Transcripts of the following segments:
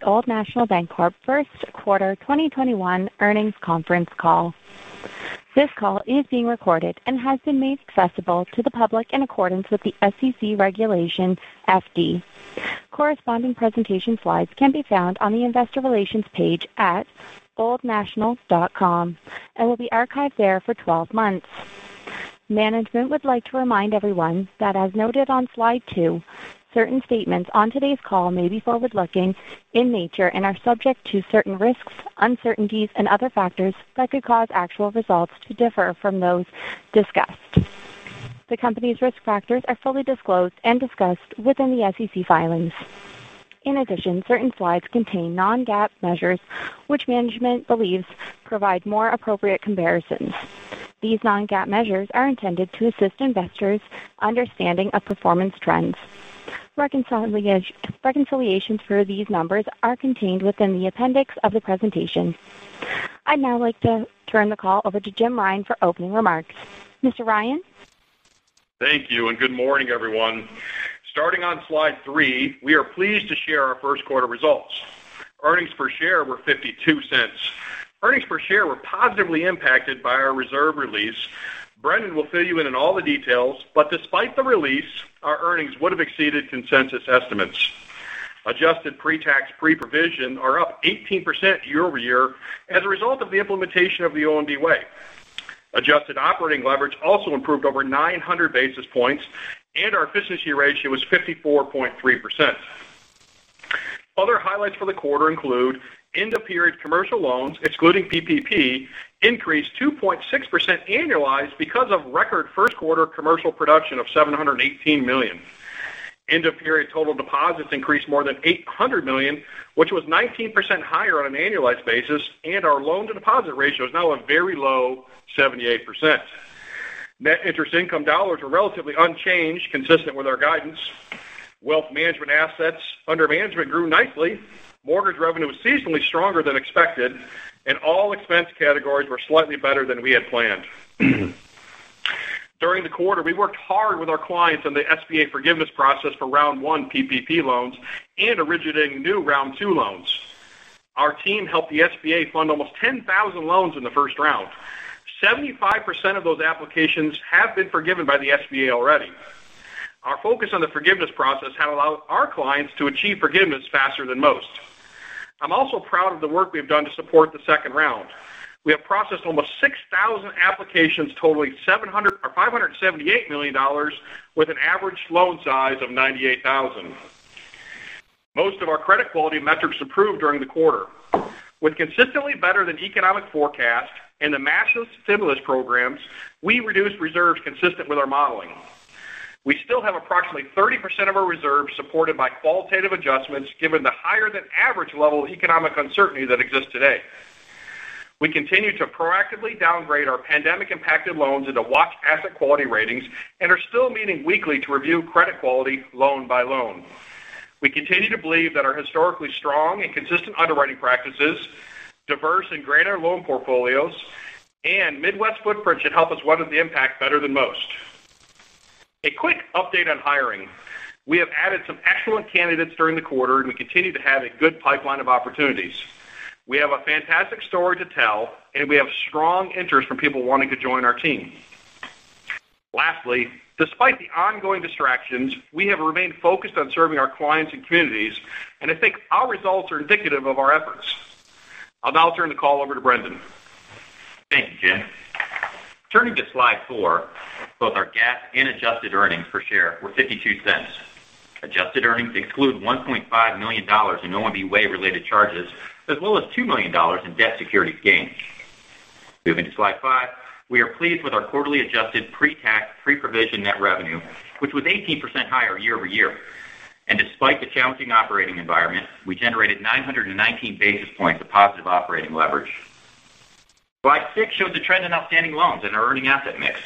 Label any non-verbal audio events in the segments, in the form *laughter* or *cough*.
The Old National Bancorp first quarter 2021 earnings conference call. This call is being recorded and has been made accessible to the public in accordance with the SEC Regulation FD. Corresponding presentation slides can be found on the investor relations page at oldnational.com and will be archived there for 12 months. Management would like to remind everyone that as noted on slide two, certain statements on today's call may be forward-looking in nature and are subject to certain risks, uncertainties, and other factors that could cause actual results to differ from those discussed. The company's risk factors are fully disclosed and discussed within the SEC filings. In addition, certain slides contain non-GAAP measures which management believes provide more appropriate comparisons. These non-GAAP measures are intended to assist investors' understanding of performance trends. Reconciliations for these numbers are contained within the appendix of the presentation. I'd now like to turn the call over to Jim Ryan for opening remarks. Mr. Ryan? Thank you. Good morning, everyone. Starting on slide three, we are pleased to share our first quarter results. Earnings per share were $0.52. Earnings per share were positively impacted by our reserve release. Brendon will fill you in on all the details, but despite the release, our earnings would have exceeded consensus estimates. Adjusted pre-tax, pre-provision are up 18% year-over-year as a result of the implementation of The ONB Way. Adjusted operating leverage also improved over 900 basis points, and our efficiency ratio was 54.3%. Other highlights for the quarter include end-of-period commercial loans, excluding PPP, increased 2.6% annualized because of record first quarter commercial production of $718 million. End-of-period total deposits increased more than $800 million, which was 19% higher on an annualized basis, and our loan to deposit ratio is now a very low 78%. Net interest income dollars were relatively unchanged, consistent with our guidance. Wealth management assets under management grew nicely. Mortgage revenue was seasonally stronger than expected, and all expense categories were slightly better than we had planned. During the quarter, we worked hard with our clients on the SBA forgiveness process for round one PPP loans and originating new round two loans. Our team helped the SBA fund almost 10,000 loans in the first round. 75% of those applications have been forgiven by the SBA already. Our focus on the forgiveness process has allowed our clients to achieve forgiveness faster than most. I'm also proud of the work we've done to support the second round. We have processed almost 6,000 applications totaling $578 million, with an average loan size of $98,000. Most of our credit quality metrics improved during the quarter. With consistently better-than-economic forecast and the massive stimulus programs, we reduced reserves consistent with our modeling. We still have approximately 30% of our reserves supported by qualitative adjustments, given the higher than average level of economic uncertainty that exists today. We continue to proactively downgrade our pandemic-impacted loans into watch asset quality ratings and are still meeting weekly to review credit quality loan by loan. We continue to believe that our historically strong and consistent underwriting practices, diverse and greater loan portfolios, and Midwest footprint should help us weather the impact better than most. A quick update on hiring. We have added some excellent candidates during the quarter, and we continue to have a good pipeline of opportunities. We have a fantastic story to tell, and we have strong interest from people wanting to join our team. Lastly, despite the ongoing distractions, we have remained focused on serving our clients and communities, and I think our results are indicative of our efforts. I'll now turn the call over to Brendon. Thank you, Jim. Turning to slide four, both our GAAP and adjusted earnings per share were $0.52. Adjusted earnings exclude $1.5 million in ONB Way-related charges, as well as $2 million in debt securities gains. Moving to slide five, we are pleased with our quarterly adjusted pre-tax, pre-provision net revenue, which was 18% higher year-over-year. Despite the challenging operating environment, we generated 919 basis points of positive operating leverage. Slide six shows the trend in outstanding loans and our earning asset mix.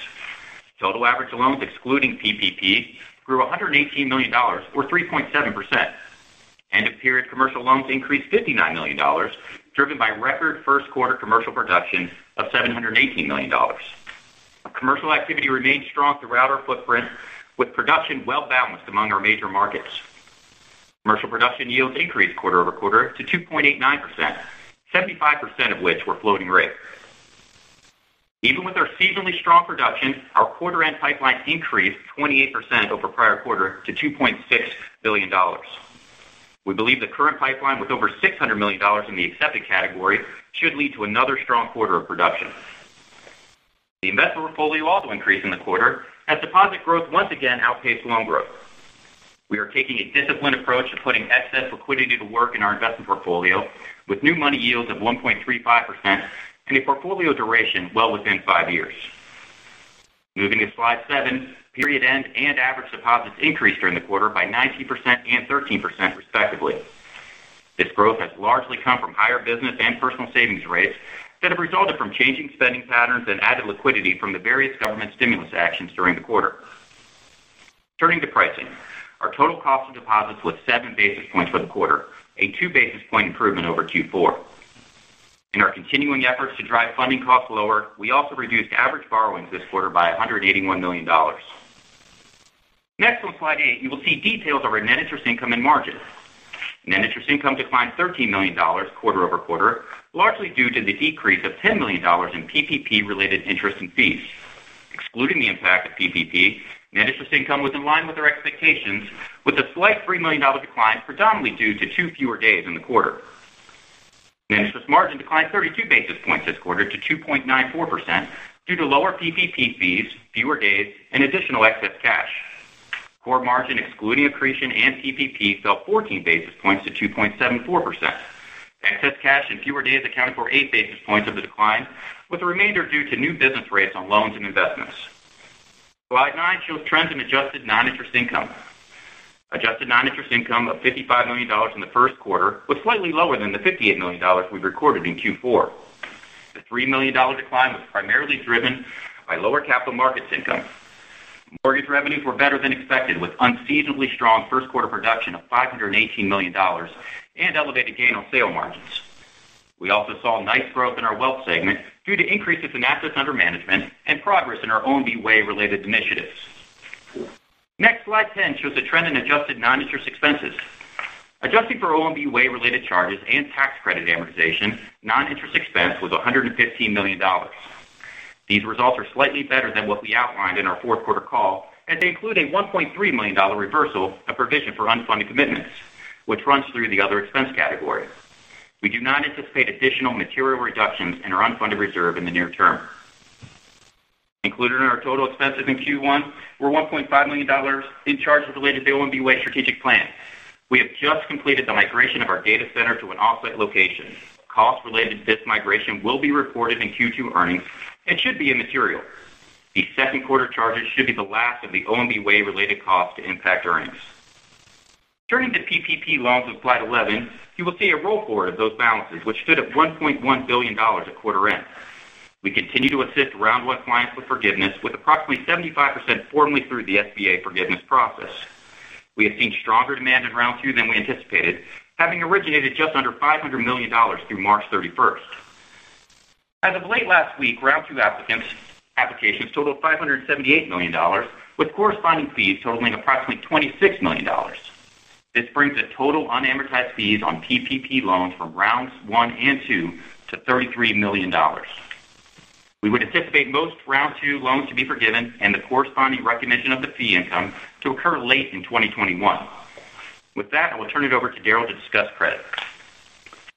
Total average loans excluding PPP grew $118 million or 3.7%. End-of-period commercial loans increased $59 million, driven by record first quarter commercial production of $718 million. Commercial activity remained strong throughout our footprint, with production well-balanced among our major markets. Commercial production yields increased quarter-over-quarter to 2.89%, 75% of which were floating rate. Even with our seasonally strong production, our quarter end pipeline increased 28% over prior quarter to $2.6 billion. We believe the current pipeline with over $600 million in the accepted category should lead to another strong quarter of production. The investment portfolio also increased in the quarter as deposit growth once again outpaced loan growth. We are taking a disciplined approach to putting excess liquidity to work in our investment portfolio with new money yields of 1.35% and a portfolio duration well within five years. Moving to slide seven, period end and average deposits increased during the quarter by 19% and 13%, respectively. This growth has largely come from higher business and personal savings rates that have resulted from changing spending patterns and added liquidity from the various government stimulus actions during the quarter. Turning to pricing, our total cost of deposits was seven basis points for the quarter, a two-basis point improvement over Q4. In our continuing efforts to drive funding costs lower, we also reduced average borrowings this quarter by $181 million. Next on slide eight, you will see details of our net interest income and margins. Net interest income declined $13 million quarter-over-quarter, largely due to the decrease of $10 million in PPP related interest and fees. Excluding the impact of PPP, net interest income was in line with our expectations with a slight $3 million decline predominantly due to two fewer days in the quarter. Net interest margin declined 32 basis points this quarter to 2.94% due to lower PPP fees, fewer days, and additional excess cash. Core margin excluding accretion and PPP fell 14 basis points to 2.74%. Excess cash and fewer days accounted for eight basis points of the decline, with the remainder due to new business rates on loans and investments. Slide nine shows trends in adjusted non-interest income. Adjusted non-interest income of $55 million in the first quarter was slightly lower than the $58 million we recorded in Q4. The $3 million decline was primarily driven by lower capital markets income. Mortgage revenues were better than expected, with unseasonably strong first quarter production of $518 million and elevated gain on sale margins. We also saw nice growth in our wealth segment due to increases in assets under management and progress in our ONB Way related initiatives. Next, slide 10 shows the trend in adjusted non-interest expenses. Adjusting for ONB Way related charges and tax credit amortization, non-interest expense was $115 million. These results are slightly better than what we outlined in our fourth quarter call. They include a $1.3 million reversal, a provision for unfunded commitments, which runs through the other expense category. We do not anticipate additional material reductions in our unfunded reserve in the near term. Included in our total expenses in Q1 were $1.5 million in charges related to ONB Way strategic plan. We have just completed the migration of our data center to an off-site location. Costs related to this migration will be reported in Q2 earnings and should be immaterial. These second quarter charges should be the last of the ONB Way related costs to impact earnings. Turning to PPP loans on slide 11, you will see a roll forward of those balances, which stood at $1.1 billion at quarter end. We continue to assist Round 1 clients with forgiveness, with approximately 75% formally through the SBA forgiveness process. We have seen stronger demand in Round 2 than we anticipated, having originated just under $500 million through March 31st. As of late last week, Round 2 applications totaled $578 million, with corresponding fees totaling approximately $26 million. This brings the total unamortized fees on PPP loans from Rounds 1 and 2 to $33 million. We would anticipate most Round 2 loans to be forgiven and the corresponding recognition of the fee income to occur late in 2021. With that, I will turn it over to Daryl to discuss credit.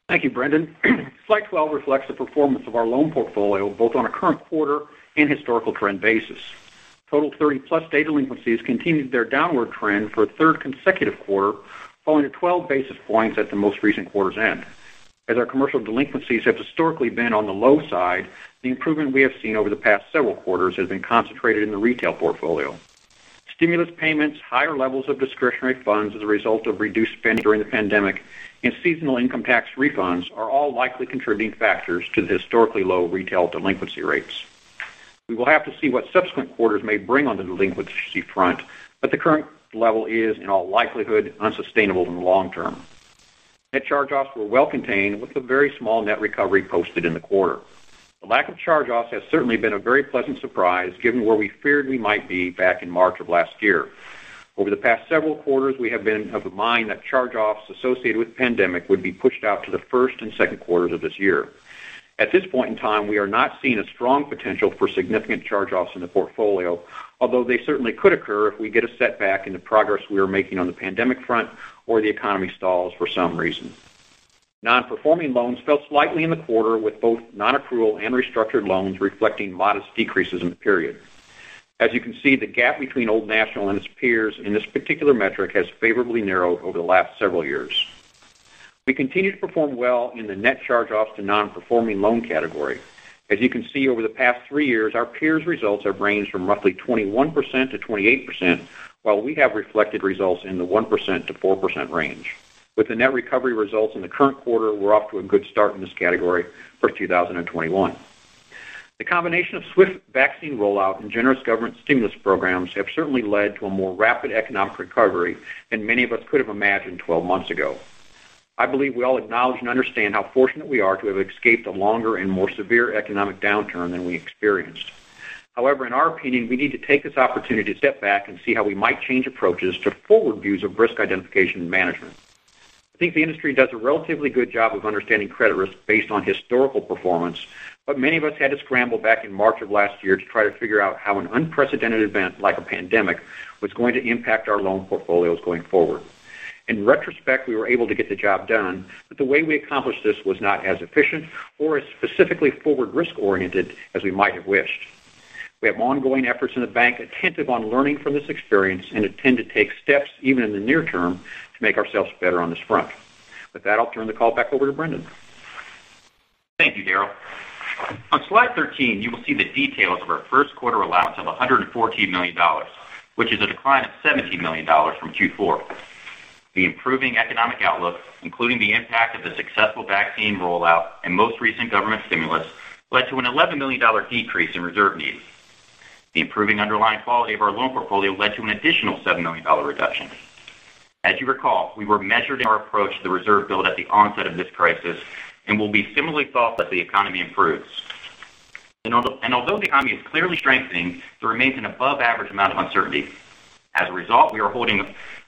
Thank you, Brendon. Slide 12 reflects the performance of our loan portfolio, both on a current quarter and historical trend basis. Total 30+ day delinquencies continued their downward trend for a third consecutive quarter, falling to 12 basis points at the most recent quarter's end. As our commercial delinquencies have historically been on the low side, the improvement we have seen over the past several quarters has been concentrated in the retail portfolio. Stimulus payments, higher levels of discretionary funds as a result of reduced spending during the pandemic, and seasonal income tax refunds are all likely contributing factors to the historically low retail delinquency rates. We will have to see what subsequent quarters may bring on the delinquency front, the current level is, in all likelihood, unsustainable in the long term. Net charge-offs were well contained, with a very small net recovery posted in the quarter. The lack of charge-offs has certainly been a very pleasant surprise, given where we feared we might be back in March of last year. Over the past several quarters, we have been of the mind that charge-offs associated with the pandemic would be pushed out to the first and second quarters of this year. At this point in time, we are not seeing a strong potential for significant charge-offs in the portfolio, although they certainly could occur if we get a setback in the progress we are making on the pandemic front or the economy stalls for some reason. Non-performing loans fell slightly in the quarter with both non-accrual and restructured loans reflecting modest decreases in the period. As you can see, the gap between Old National and its peers in this particular metric has favorably narrowed over the last several years. We continue to perform well in the net charge-offs to non-performing loan category. As you can see, over the past three years, our peers' results have ranged from roughly 21%-28%, while we have reflected results in the 1%-4% range. With the net recovery results in the current quarter, we're off to a good start in this category for 2021. The combination of swift vaccine rollout and generous government stimulus programs have certainly led to a more rapid economic recovery than many of us could have imagined 12 months ago. I believe we all acknowledge and understand how fortunate we are to have escaped a longer and more severe economic downturn than we experienced. However, in our opinion, we need to take this opportunity to step back and see how we might change approaches to forward views of risk identification and management. I think the industry does a relatively good job of understanding credit risk based on historical performance, but many of us had to scramble back in March of last year to try to figure out how an unprecedented event like a pandemic was going to impact our loan portfolios going forward. In retrospect, we were able to get the job done, but the way we accomplished this was not as efficient or as specifically forward risk oriented as we might have wished. We have ongoing efforts in the bank attentive on learning from this experience and intend to take steps even in the near term to make ourselves better on this front. With that, I'll turn the call back over to Brendon. Thank you, Daryl. On slide 13, you will see the details of our first quarter allowance of $114 million, which is a decline of $17 million from Q4. The improving economic outlook, including the impact of the successful vaccine rollout and most recent government stimulus, led to an $11 million decrease in reserve needs. The improving underlying quality of our loan portfolio led to an additional $7 million reduction. As you recall, we were measured in our approach to the reserve build at the onset of this crisis and will be similarly thoughtful as the economy improves. Although the economy is clearly strengthening, there remains an above average amount of uncertainty. As a result, we are holding a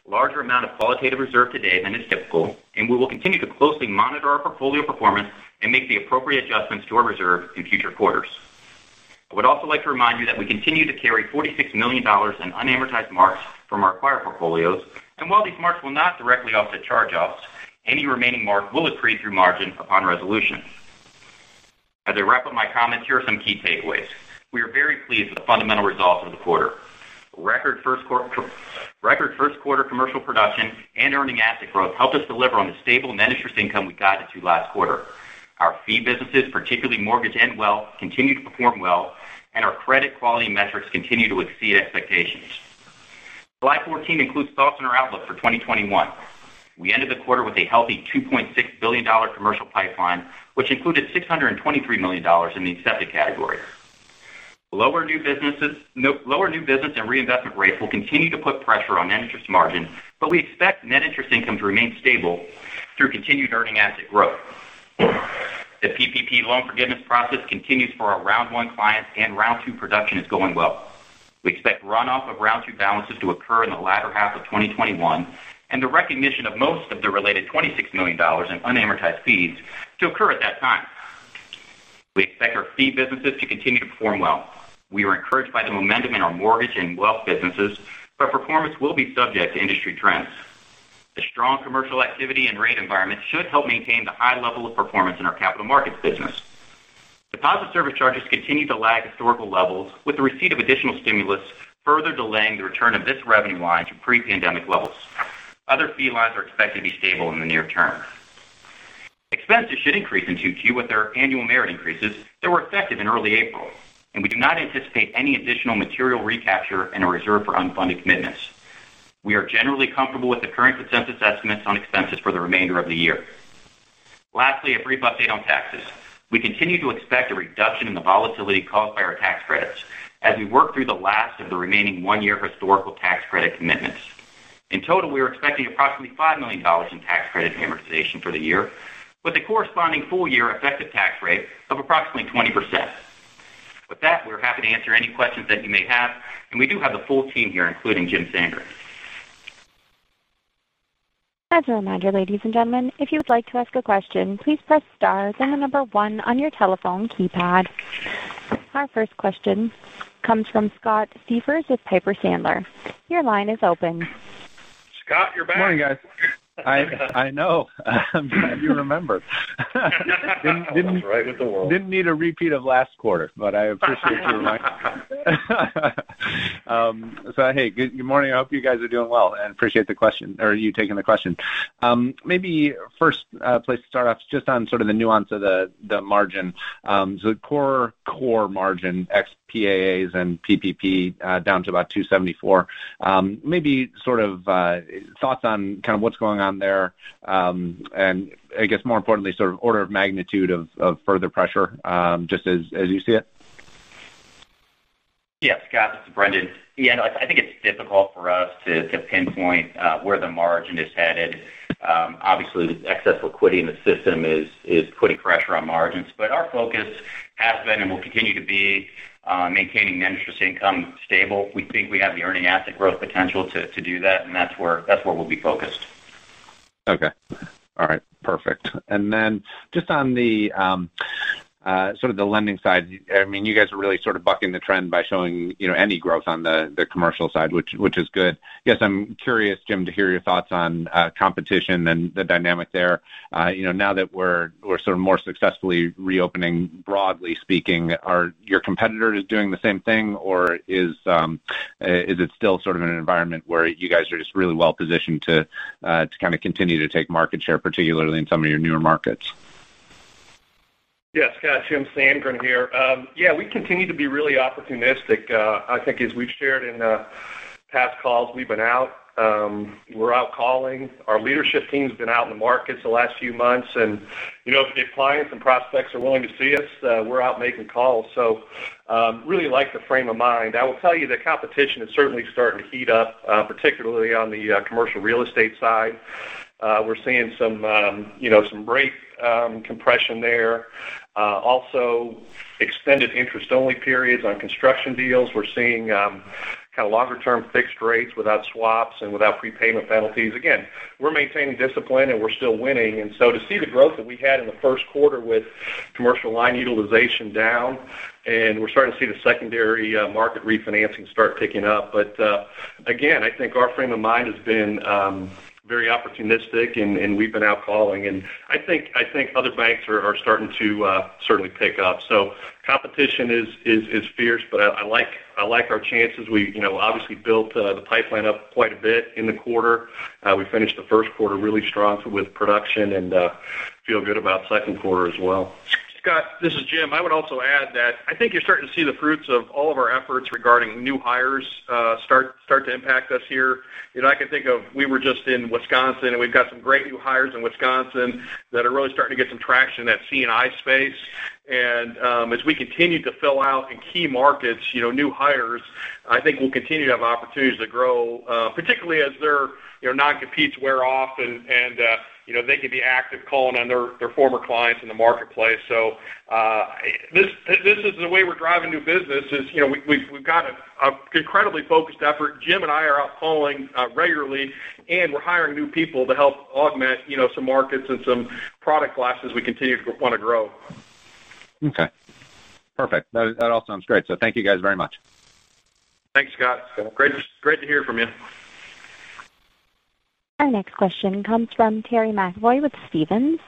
larger amount of qualitative reserve today than is typical, and we will continue to closely monitor our portfolio performance and make the appropriate adjustments to our reserve in future quarters. I would also like to remind you that we continue to carry $46 million in unamortized marks from our acquired portfolios. While these marks will not directly offset charge-offs, any remaining mark will accrete through margin upon resolution. As I wrap up my comments, here are some key takeaways. We are very pleased with the fundamental results of the quarter. Record first quarter commercial production and earning asset growth helped us deliver on the stable net interest income we guided to last quarter. Our fee businesses, particularly mortgage and wealth, continue to perform well, and our credit quality metrics continue to exceed expectations. Slide 14 includes thoughts on our outlook for 2021. We ended the quarter with a healthy $2.6 billion commercial pipeline, which included $623 million in the accepted category. Lower new business and reinvestment rates will continue to put pressure on net interest margin, but we expect net interest income to remain stable through continued earning asset growth. The PPP loan forgiveness process continues for our round one clients, and round two production is going well. We expect runoff of round two balances to occur in the latter half of 2021, and the recognition of most of the related $26 million in unamortized fees to occur at that time. We expect our fee businesses to continue to perform well. We are encouraged by the momentum in our mortgage and wealth businesses, but performance will be subject to industry trends. The strong commercial activity and rate environment should help maintain the high level of performance in our capital markets business. Deposit service charges continue to lag historical levels, with the receipt of additional stimulus further delaying the return of this revenue line to pre-pandemic levels. Other fee lines are expected to be stable in the near term. Expenses should increase in Q2 with our annual merit increases that were effective in early April, and we do not anticipate any additional material recapture in our reserve for unfunded commitments. We are generally comfortable with the current consensus estimates on expenses for the remainder of the year. Lastly, a brief update on taxes. We continue to expect a reduction in the volatility caused by our tax credits as we work through the last of the remaining one-year historical tax credit commitments. In total, we are expecting approximately $5 million in tax credit amortization for the year, with a corresponding full-year effective tax rate of approximately 20%. With that, we're happy to answer any questions that you may have, and we do have the full team here, including Jim Sandgren. As a reminder, ladies and gentlemen, if you would like to ask a question, please press star, then the number one on your telephone keypad. Our first question comes from Scott Siefers with Piper Sandler. Your line is open. Scott, you're back. Good morning, guys. I know. I'm glad you remembered. Right with the world. Didn't need a repeat of last quarter, but I appreciate the reminder. Hey, good morning. I hope you guys are doing well, and appreciate you taking the question. Maybe first place to start off is just on sort of the nuance of the margin. The core margin, ex PAA and PPP, down to about 274. Maybe thoughts on kind of what's going on there, and I guess more importantly, sort of order of magnitude of further pressure, just as you see it. Yeah, Scott, this is Brendon. Yeah, no, I think it's difficult for us to pinpoint where the margin is headed. Obviously, the excess liquidity in the system is putting pressure on margins. Our focus has been and will continue to be on maintaining net interest income stable. We think we have the earning asset growth potential to do that, and that's where we'll be focused. Okay. All right, perfect. Just on the lending side, you guys are really sort of bucking the trend by showing any growth on the commercial side, which is good. Guess I'm curious, Jim, to hear your thoughts on competition and the dynamic there. Now that we're sort of more successfully reopening, broadly speaking, are your competitors doing the same thing, or is it still sort of an environment where you guys are just really well-positioned to kind of continue to take market share, particularly in some of your newer markets? Yes, Scott. Jim Sandgren here. Yeah, we continue to be really opportunistic. I think as we've shared in past calls, we're out calling. Our leadership team's been out in the markets the last few months, and if the clients and prospects are willing to see us, we're out making calls. Really like the frame of mind. I will tell you that competition is certainly starting to heat up, particularly on the commercial real estate side. We're seeing some rate compression there. Also, extended interest-only periods on construction deals. We're seeing kind of longer-term fixed rates without swaps and without prepayment penalties. Again, we're maintaining discipline and we're still winning. To see the growth that we had in the first quarter with commercial line utilization down, and we're starting to see the secondary market refinancing start picking up. Again, I think our frame of mind has been very opportunistic and we've been out calling. I think other banks are starting to certainly pick up. Competition is fierce, but I like our chances. We obviously built the pipeline up quite a bit in the quarter. We finished the first quarter really strong with production and feel good about second quarter as well. Scott, this is Jim. I would also add that I think you're starting to see the fruits of all of our efforts regarding new hires start to impact us here. I can think of, we were just in Wisconsin, and we've got some great new hires in Wisconsin that are really starting to get some traction in that C&I space. As we continue to fill out. In key markets, new hires, I think we'll continue to have opportunities to grow, particularly as their non-competes wear off and they can be active calling on their former clients in the marketplace. This is the way we're driving new business is, we've got an incredibly focused effort. Jim and I are out calling regularly and we're hiring new people to help augment some markets and some product classes we continue to want to grow. Okay. Perfect. That all sounds great. Thank you guys very much. Thanks, Scott. Great to hear from you. Our next question comes from Terry McEvoy with Stephens.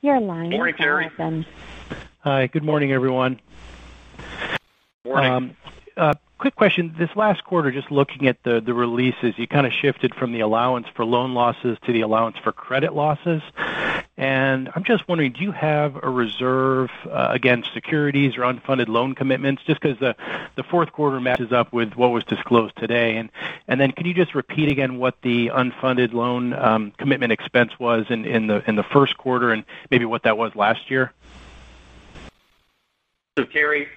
Your line is open. Morning, Terry. Hi. Good morning, everyone. Morning. Quick question. This last quarter, just looking at the releases, you kind of shifted from the allowance for loan losses to the allowance for credit losses, and I'm just wondering, do you have a reserve against securities or unfunded loan commitments, just because the fourth quarter matches up with what was disclosed today? Can you just repeat again what the unfunded loan commitment expense was in the first quarter and maybe what that was last year? Terry,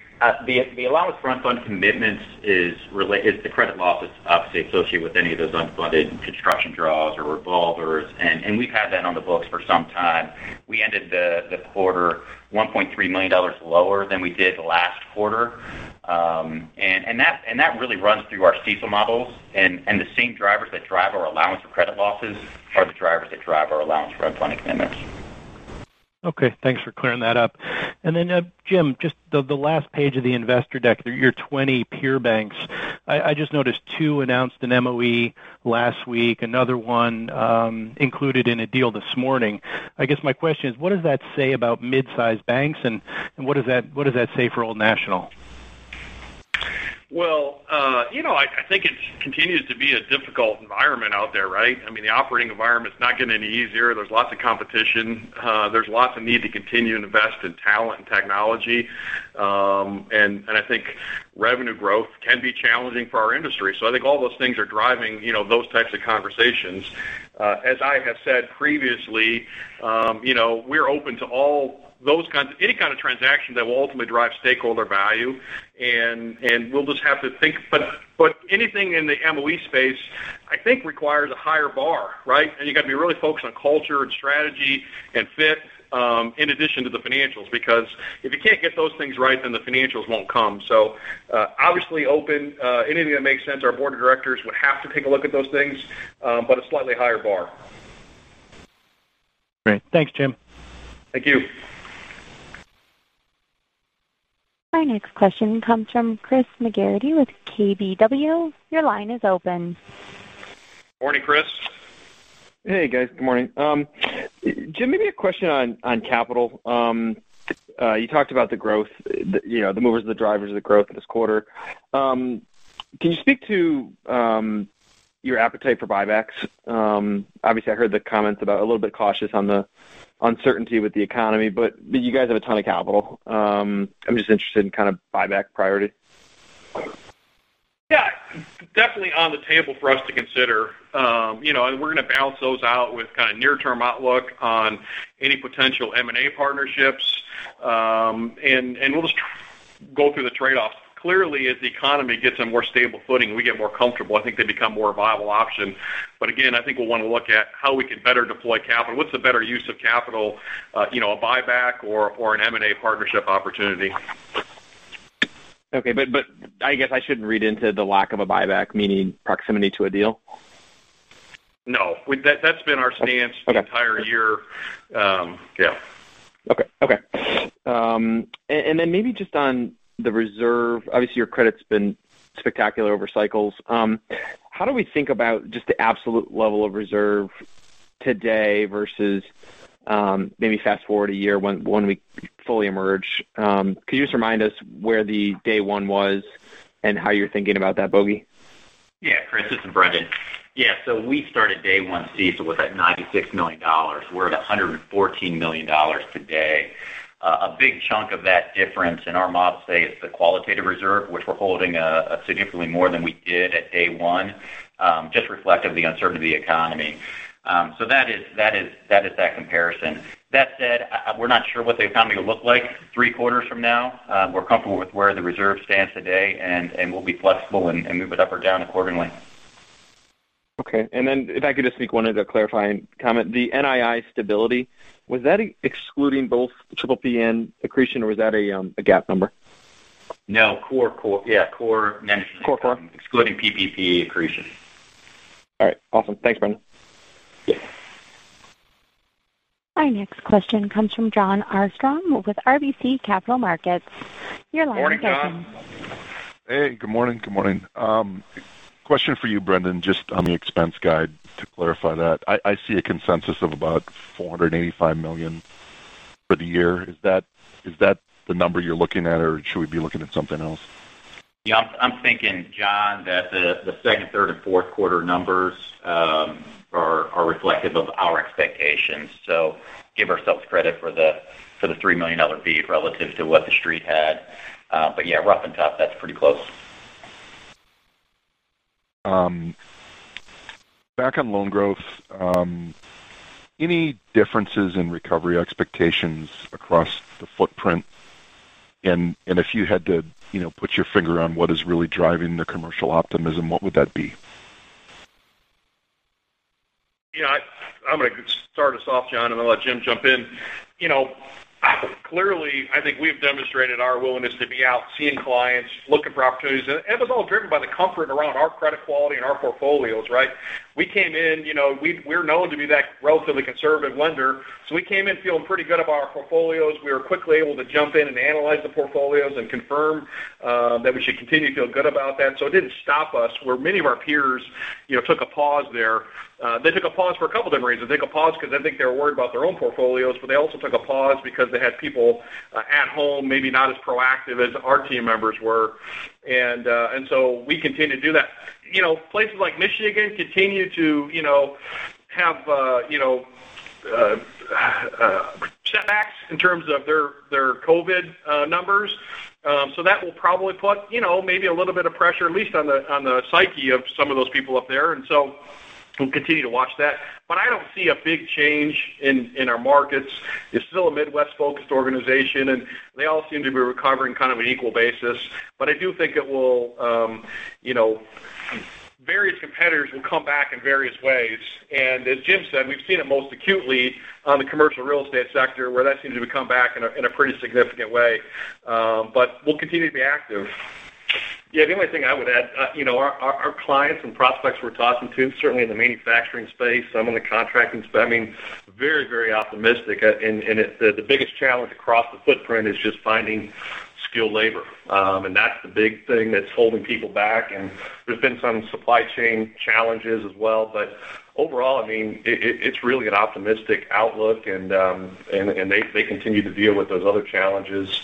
the allowance for unfunded commitments is the credit losses obviously associated with any of those unfunded construction draws or revolvers. We've had that on the books for some time. We ended the quarter $1.3 million lower than we did last quarter. That really runs through our CECL models. The same drivers that drive our allowance for credit losses are the drivers that drive our allowance for unfunded commitments. Okay, thanks for clearing that up. Jim, just the last page of the investor deck, your 20 peer banks. I just noticed two announced an MOE last week, another one included in a deal this morning. I guess my question is, what does that say about mid-size banks and what does that say for Old National? I think it continues to be a difficult environment out there, right? I mean, the operating environment is not getting any easier. There's lots of competition. There's lots of need to continue to invest in talent and technology. I think revenue growth can be challenging for our industry. I think all those things are driving those types of conversations. As I have said previously, we're open to any kind of transaction that will ultimately drive stakeholder value and we'll just have to think. Anything in the MOE space, I think requires a higher bar, right? You've got to be really focused on culture and strategy and fit, in addition to the financials. Because if you can't get those things right, then the financials won't come. Obviously open to anything that makes sense. Our board of directors would have to take a look at those things, but a slightly higher bar. Great. Thanks, Jim. Thank you. Our next question comes from Christopher McGratty with KBW. Your line is open. Morning, Chris. Hey, guys. Good morning. Jim, maybe a question on capital. You talked about the movers and the drivers of the growth this quarter. Can you speak to your appetite for buybacks? Obviously, I heard the comments about a little bit cautious on the uncertainty with the economy, but you guys have a ton of capital. I'm just interested in kind of buyback priority. Yeah. Definitely on the table for us to consider. We're going to balance those out with kind of near-term outlook on any potential M&A partnerships. We'll just go through the trade-offs. Clearly, as the economy gets on more stable footing and we get more comfortable, I think they become more a viable option. Again, I think we'll want to look at how we can better deploy capital. What's the better use of capital, a buyback or an M&A partnership opportunity? Okay. I guess I shouldn't read into the lack of a buyback meaning proximity to a deal? No. That's been our stance for the entire year. Yeah. Okay. Maybe just on the reserve. Obviously, your credit's been spectacular over cycles. How do we think about just the absolute level of reserve today versus maybe fast-forward a year when we fully emerge? Could you just remind us where the day one was and how you're thinking about that? *inaudible* Yeah, Chris, this is Brendon. We started day one CECL with that $96 million. We're at $114 million today. A big chunk of that difference in our model say it's the qualitative reserve, which we're holding significantly more than we did at day one, just reflective of the uncertainty of the economy. That is that comparison. That said, we're not sure what the economy will look like three quarters from now. We're comfortable with where the reserve stands today, and we'll be flexible and move it up or down accordingly. Okay. If I could just sneak one other clarifying comment. The NII stability, was that excluding both PAA accretion or was that a GAAP number? No. Core. Core. Excluding PPP accretion. All right. Awesome. Thanks, Brendon. Yeah. Our next question comes from Jon Arfstrom with RBC Capital Markets. Your line is open. Morning, Jon. Hey, good morning. Question for you, Brendon, just on the expense guide to clarify that. I see a consensus of about $485 million for the year. Is that the number you're looking at or should we be looking at something else? Yeah. I'm thinking, Jon, that the second, third, and fourth quarter numbers are reflective of our expectations. Give ourselves credit for the $3 million beat relative to what the street had. Yeah, rough and tough, that's pretty close. Back on loan growth, any differences in recovery expectations across the footprint? If you had to put your finger on what is really driving the commercial optimism, what would that be? I'm going to start us off, Jon, and I'm going to let Jim jump in. Clearly, I think we've demonstrated our willingness to be out seeing clients, looking for opportunities, and it was all driven by the comfort around our credit quality and our portfolios. We're known to be that relatively conservative lender. We came in feeling pretty good about our portfolios. We were quickly able to jump in and analyze the portfolios and confirm that we should continue to feel good about that. It didn't stop us where many of our peers took a pause there. They took a pause for a couple different reasons. They took a pause because I think they were worried about their own portfolios, they also took a pause because they had people at home, maybe not as proactive as our team members were. We continue to do that. Places like Michigan continue to have setbacks in terms of their COVID numbers. That will probably put maybe a little bit of pressure, at least on the psyche of some of those people up there. We'll continue to watch that. I don't see a big change in our markets. It's still a Midwest-focused organization, and they all seem to be recovering kind of an equal basis. I do think various competitors will come back in various ways. As Jim said, we've seen it most acutely on the commercial real estate sector, where that seems to be coming back in a pretty significant way. We'll continue to be active. Yeah. The only thing I would add, our clients and prospects we're talking to, certainly in the manufacturing space, some in the contracting space, very optimistic. The biggest challenge across the footprint is just finding skilled labor. That's the big thing that's holding people back. There's been some supply chain challenges as well. Overall, it's really an optimistic outlook and they continue to deal with those other challenges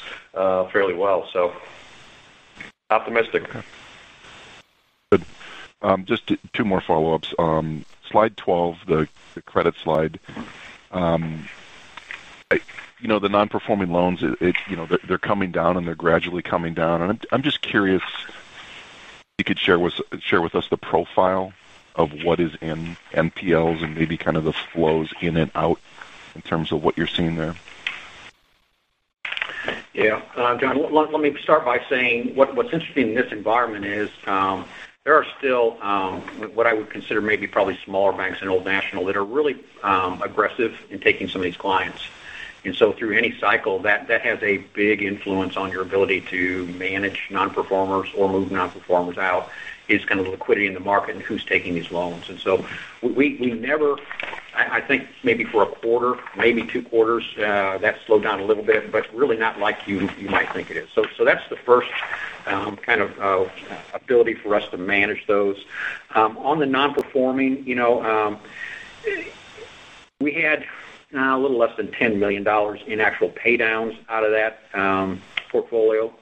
fairly well. Optimistic. Good. Just two more follow-ups. Slide 12, the credit slide. The non-performing loans, they're coming down, and they're gradually coming down. I'm just curious if you could share with us the profile of what is in NPLs and maybe kind of the flows in and out in terms of what you're seeing there. Yeah. Jon, let me start by saying what's interesting in this environment is there are still what I would consider maybe probably smaller banks than Old National that are really aggressive in taking some of these clients. Through any cycle, that has a big influence on your ability to manage non-performers or move non-performers out is kind of liquidity in the market and who's taking these loans. We never-- I think maybe for a quarter, maybe two quarters, that slowed down a little bit, but really not like you might think it is. That's the first kind of ability for us to manage those. On the non-performing, we had a little less than $10 million in actual pay downs out of that portfolio.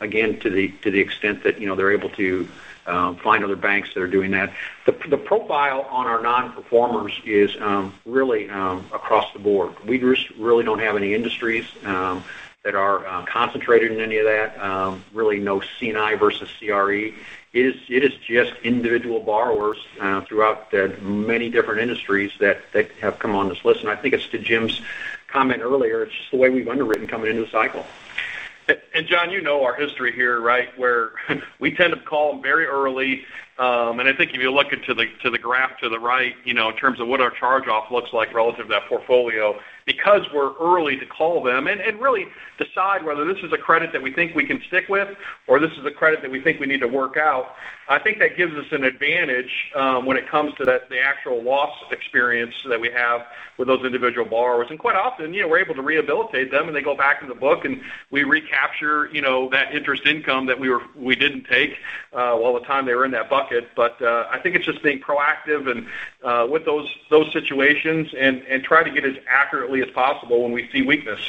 Again, to the extent that they're able to find other banks that are doing that. The profile on our non-performers is really across the board. We just really don't have any industries that are concentrated in any of that. Really no C&I versus CRE. It is just individual borrowers throughout the many different industries that have come on this list. I think as to Jim's comment earlier, it's just the way we've underwritten coming into the cycle. Jon, you know our history here, where we tend to call them very early. I think if you look into the graph to the right in terms of what our charge-off looks like relative to that portfolio, because we're early to call them and really decide whether this is a credit that we think we can stick with, or this is a credit that we think we need to work out. I think that gives us an advantage when it comes to the actual loss experience that we have with those individual borrowers. Quite often, we're able to rehabilitate them, and they go back in the book, and we recapture that interest income that we didn't take all the time they were in that bucket. I think it's just being proactive with those situations and try to get as accurately as possible when we see weakness.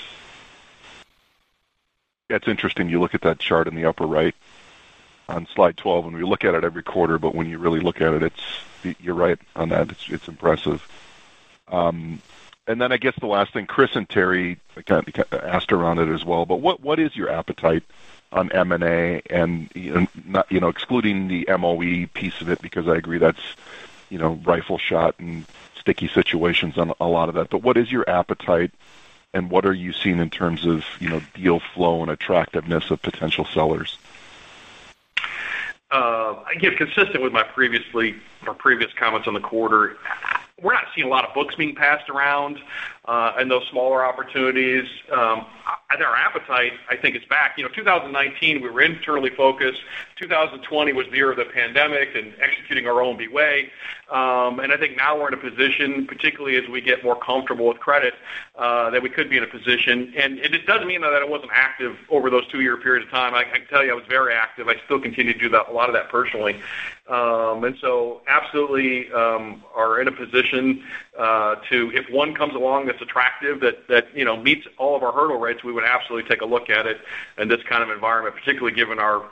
Yeah, it's interesting you look at that chart in the upper right on slide 12, and we look at it every quarter, but when you really look at it, you're right on that. It's impressive. Then I guess the last thing, Chris and Terry kind of asked around it as well, but what is your appetite on M&A? Excluding the MOE piece of it because I agree that's rifle shot and sticky situations on a lot of that. What is your appetite and what are you seeing in terms of deal flow and attractiveness of potential sellers? Consistent with my previous comments on the quarter, we're not seeing a lot of books being passed around in those smaller opportunities. Our appetite, I think, is back. 2019, we were internally focused. 2020 was the year of the pandemic and executing our own way. I think now we're in a position, particularly as we get more comfortable with credit, that we could be in a position. It doesn't mean, though, that it wasn't active over those two-year periods of time. I can tell you I was very active. I still continue to do a lot of that personally. Absolutely are in a position to, if one comes along that's attractive, that meets all of our hurdle rates, we would absolutely take a look at it in this kind of environment, particularly given our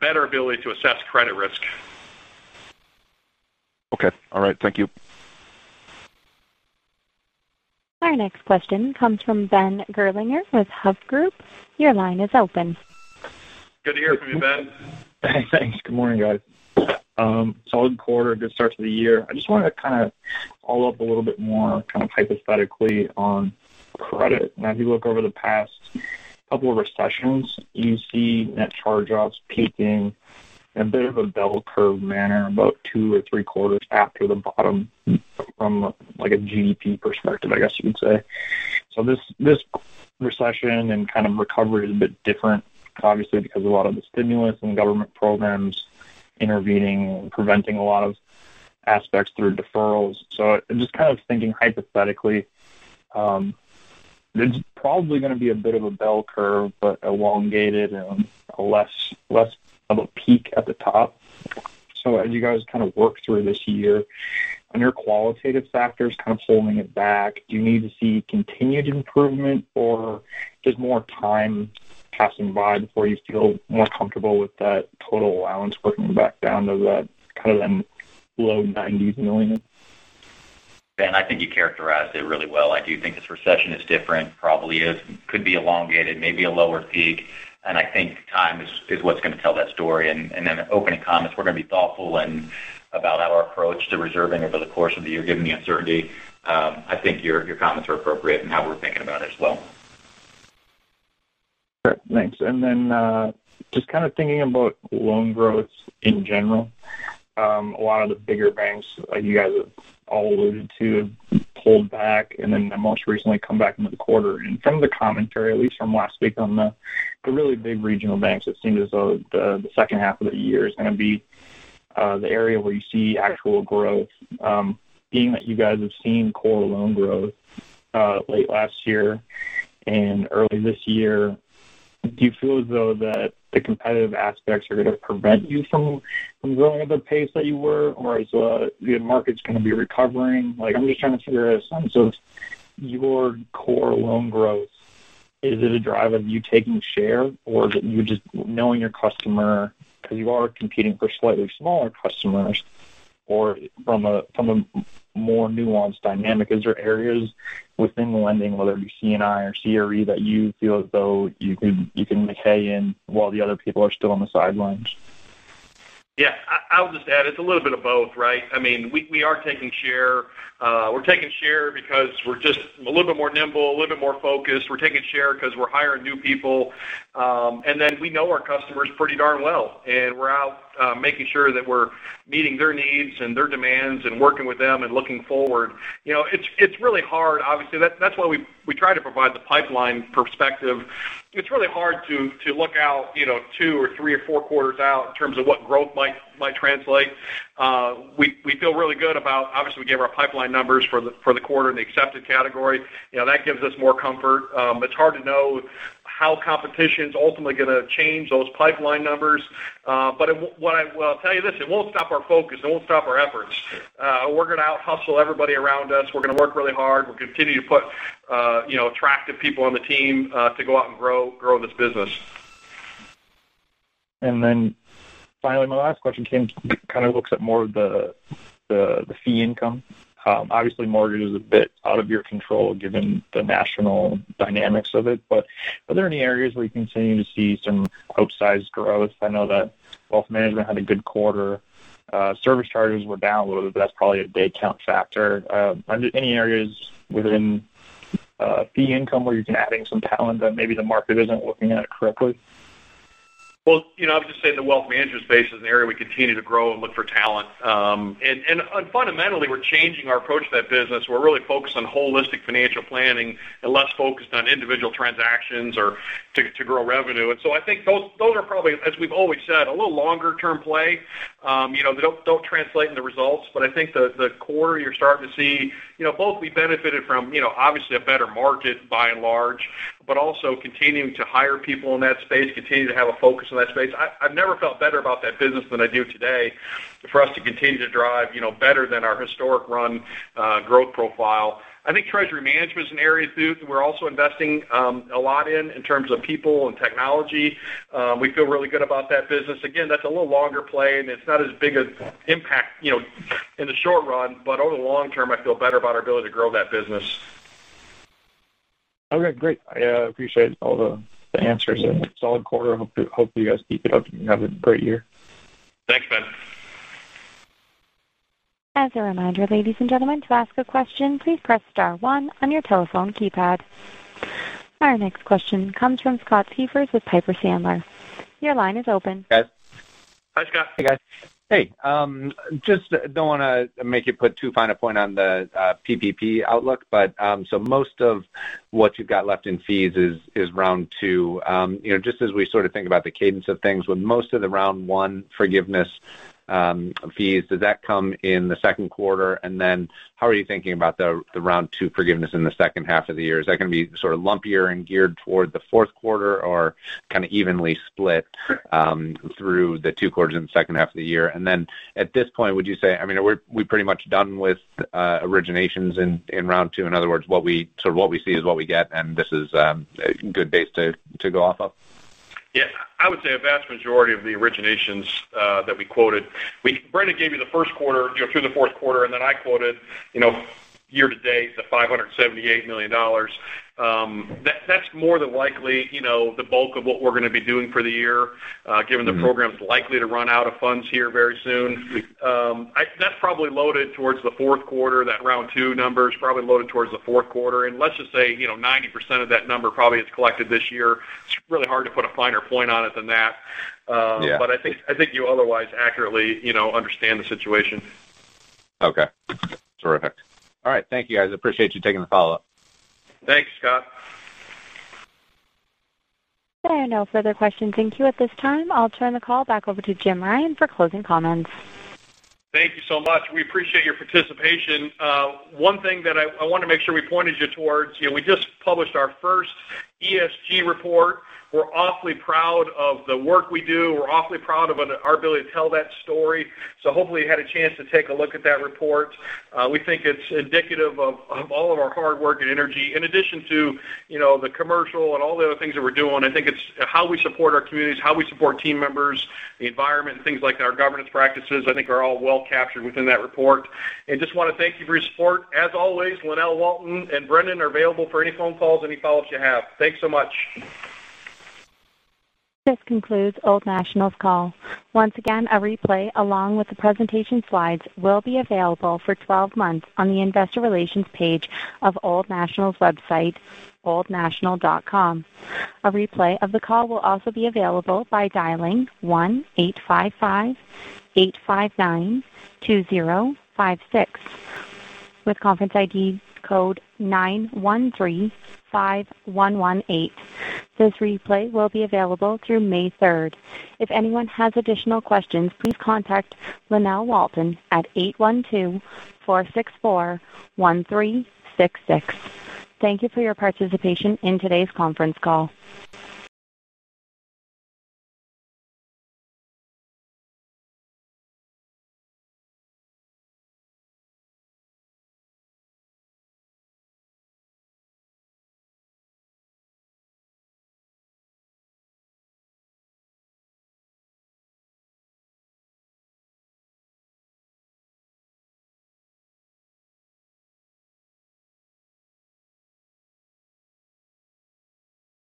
better ability to assess credit risk. Okay. All right. Thank you. Our next question comes from Ben Gerlinger with Hovde Group. Your line is open. Good to hear from you, Ben. Hey, thanks. Good morning, guys. Solid quarter. Good start to the year. I just wanted to kind of follow up a little bit more, kind of hypothetically on credit. As you look over the past couple of recessions, you see net charge-offs peaking in a bit of a bell curve manner about two or three quarters after the bottom from, like, a GDP perspective, I guess you could say. This recession and kind of recovery is a bit different, obviously, because a lot of the stimulus and government programs intervening, preventing a lot of aspects through deferrals. I'm just kind of thinking hypothetically. There's probably going to be a bit of a bell curve, but elongated and less of a peak at the top. As you guys kind of work through this year on your qualitative factors, kind of holding it back, do you need to see continued improvement or just more time passing by before you feel more comfortable with that total allowance working back down to that kind of them low $90 million? Ben, I think you characterized it really well. I do think this recession is different. Probably is. Could be elongated, maybe a lower peak. I think time is what's going to tell that story. Opening comments, we're going to be thoughtful about our approach to reserving over the course of the year, given the uncertainty. I think your comments are appropriate in how we're thinking about it as well. Sure. Thanks. Just kind of thinking about loan growth in general. A lot of the bigger banks like you guys have all alluded to have pulled back and then most recently come back into the quarter. Some of the commentary, at least from last week, on the really big regional banks, it seems as though the second half of the year is going to be the area where you see actual growth. Being that you guys have seen core loan growth late last year and early this year, do you feel as though that the competitive aspects are going to prevent you from growing at the pace that you were, or is the markets going to be recovering? I'm just trying to figure out some sense of your core loan growth. Is it a drive of you taking share or is it you just knowing your customer because you are competing for slightly smaller customers or from a more nuanced dynamic? Is there areas within lending, whether it be C&I or CRE, that you feel as though you can make hay in while the other people are still on the sidelines? I'll just add it's a little bit of both, right. I mean, we are taking share. We're taking share because we're just a little bit more nimble, a little bit more focused. We're taking share because we're hiring new people. Then we know our customers pretty darn well, and we're out making sure that we're meeting their needs and their demands and working with them and looking forward. It's really hard, obviously. That's why we try to provide the pipeline perspective. It's really hard to look out two or three or four quarters out in terms of what growth might translate. We feel really good about obviously, we gave our pipeline numbers for the quarter in the accepted category. That gives us more comfort. It's hard to know how competition's ultimately going to change those pipeline numbers. I'll tell you this, it won't stop our focus. It won't stop our efforts. We're going to out-hustle everybody around us. We're going to work really hard. We'll continue to put attractive people on the team to go out and grow this business. Then finally, my last question kind of looks at more of the fee income. Obviously, mortgage is a bit out of your control given the national dynamics of it. Are there any areas where you're continuing to see some outsized growth? I know that wealth management had a good quarter. Service charges were down a little bit, but that's probably a day count factor. Are there any areas within fee income where you've been adding some talent that maybe the market isn't looking at correctly? Well, I would just say the wealth management space is an area we continue to grow and look for talent. Fundamentally, we're changing our approach to that business. We're really focused on holistic financial planning and less focused on individual transactions or to grow revenue. I think those are probably, as we've always said, a little longer-term play. They don't translate in the results, I think the core you're starting to see, both we benefited from obviously a better market by and large, also continuing to hire people in that space, continuing to have a focus in that space. I've never felt better about that business than I do today. For us to continue to drive better than our historic run growth profile. I think treasury management is an area, too, that we're also investing a lot in terms of people and technology. We feel really good about that business. That's a little longer play, and it's not as big as impact in the short run. Over the long term, I feel better about our ability to grow that business. Okay, great. I appreciate all the answers. Solid quarter. Hope you guys keep it up and have a great year. Thanks, Ben. As a reminder, ladies and gentlemen, to ask a question, please press star one on your telephone keypad. Our next question comes from Scott Siefers with Piper Sandler. Your line is open. Hi, Scott. Hey, guys. Hey. Just don't want to make you put too fine a point on the PPP outlook. Most of what you've got left in fees is round two. Just as we sort of think about the cadence of things with most of the round one forgiveness fees, does that come in the second quarter? How are you thinking about the round two forgiveness in the second half of the year? Is that going to be sort of lumpier and geared toward the fourth quarter or kind of evenly split through the two quarters in the second half of the year? At this point, would you say we're pretty much done with originations in round two? In other words, what we see is what we get, and this is good base to go off of? Yeah, I would say a vast majority of the originations that we quoted. Brendon gave you the first quarter through the fourth quarter, and then I quoted year to date, the $578 million. That's more than likely the bulk of what we're going to be doing for the year given the program's likely to run out of funds here very soon. That's probably loaded towards the fourth quarter. That Round 2 number is probably loaded towards the fourth quarter. Let's just say 90% of that number probably is collected this year. It's really hard to put a finer point on it than that. Yeah. I think you otherwise accurately understand the situation. Okay. Terrific. All right. Thank you, guys. I appreciate you taking the follow-up. Thanks, Scott. There are no further questions in queue at this time. I'll turn the call back over to Jim Ryan for closing comments. Thank you so much. We appreciate your participation. One thing that I want to make sure we pointed you towards, we just published our first ESG report. We're awfully proud of the work we do. We're awfully proud of our ability to tell that story. Hopefully you had a chance to take a look at that report. We think it's indicative of all of our hard work and energy. In addition to the commercial and all the other things that we're doing, I think it's how we support our communities, how we support team members, the environment, and things like our governance practices, I think are all well captured within that report. Just want to thank you for your support. As always, Lynell Walton and Brendon are available for any phone calls, any follow-ups you have. Thanks so much. This concludes Old National's call. Once again, a replay along with the presentation slides will be available for 12 months on the investor relations page of Old National's website, oldnational.com. A replay of the call will also be available by dialing 1-855-859-2056 with conference ID code 9135118. This replay will be available through May 3rd. If anyone has additional questions, please contact Lynell Walton at 812-464-1366. Thank you for your participation in today's conference call.